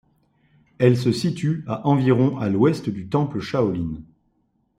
Elle se situe à environ à l’ouest du Temple Shaolin.